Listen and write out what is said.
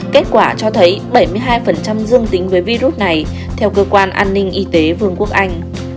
kết quả cho thấy bảy mươi hai dương tính với virus này theo cơ quan an ninh y tế vương quốc anh